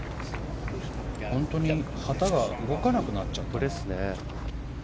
本当に旗が動かなくなっちゃったな。